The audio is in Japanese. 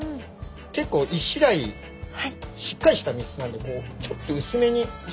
結構イシダイしっかりした身質なんでこうちょっと薄めに。